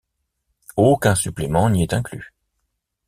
Aucun supplément n'y est inclus.